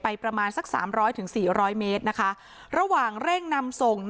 ประมาณสักสามร้อยถึงสี่ร้อยเมตรนะคะระหว่างเร่งนำส่ง